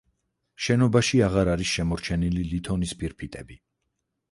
შენობაში აღარ არის შემორჩენილი ლითონის ფირფიტები.